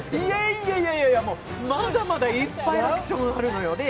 いやいやいや、まだまだいっぱいアクションあるのよね。